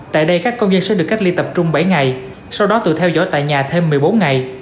tại đây các công nhân sẽ được cách ly tập trung bảy ngày sau đó tự theo dõi tại nhà thêm một mươi bốn ngày